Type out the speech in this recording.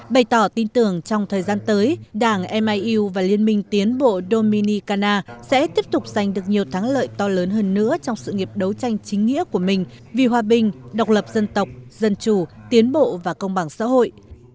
bày tỏ tin tưởng trong thời gian tới đảng miu và liên minh tiến bộ dominicana sẽ tiếp tục giành được nhiều thắng lợi to lớn hơn nữa trong sự nghiệp đấu tranh chính nghĩa của mình vì hòa bình độc lập dân tộc dân chủ tiến bộ và công bằng xã hội